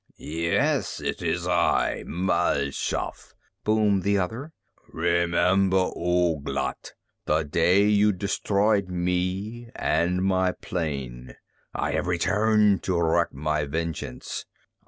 "Yes, it is I, Mal Shaff," boomed the other. "Remember, Ouglat, the day you destroyed me and my plane. I have returned to wreak my vengeance.